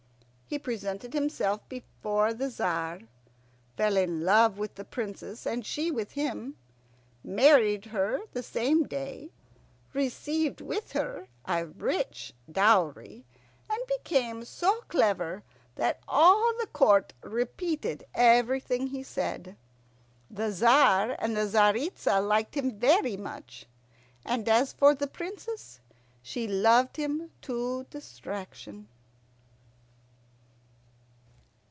He presented himself before the Tzar, fell in love with the Princess and she with him, married her the same day, received with her a rich dowry, and became so clever that all the court repeated everything he said. The Tzar and the Tzaritza liked him very much, and as for the Princess, she loved him to distraction.